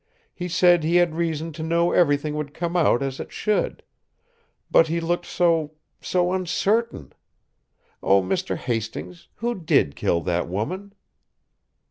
He said he had reason to know everything would come out as it should. But he looked so so uncertain! Oh, Mr. Hastings, who did kill that woman?"